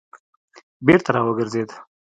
بېرته را وګرځېد.